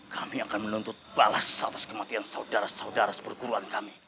kami akan menuntut balas atas kematian saudara saudara seperguruan kami